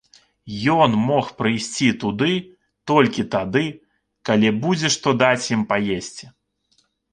Ён мог прыйсці туды толькі тады, калі будзе што даць ім паесці.